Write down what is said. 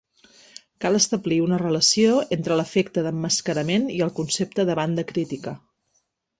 Cal establir una relació entre l'efecte d'emmascarament i el concepte de banda crítica.